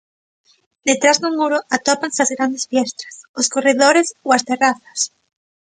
Detrás do muro atópanse as grandes fiestras, os corredores ou as terrazas.